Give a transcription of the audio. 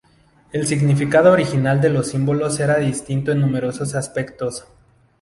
El significado original de los símbolos era distinto en numerosos aspectos.